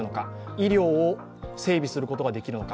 医療を整備することができるのか